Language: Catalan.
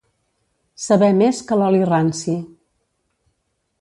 Saber més que l'oli ranci.